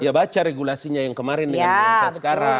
ya baca regulasinya yang kemarin dengan regulasi yang sekarang